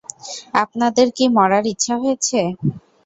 আপনাদের কি মরার ইচ্ছা হয়েছে?